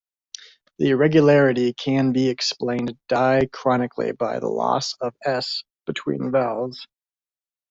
The irregularity can be explained diachronically by the loss of "s" between vowels.